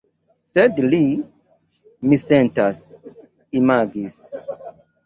Sed li, mi sentas, imagis.